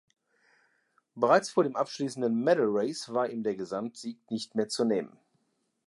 Bereits vor dem abschließenden "Medal Race" war ihm der Gesamtsieg nicht mehr zu nehmen.